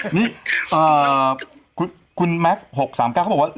หนุ่มกัญชัยโทรมา